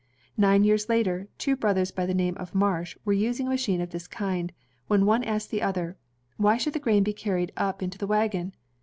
Nine years later, two brothers by the name of Marsh were using a machine of this kind, when one asked the other, "Why should the grain be carried up to the wagon?